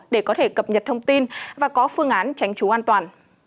để có thể cập nhật thông tin và có phương án tránh trú an toàn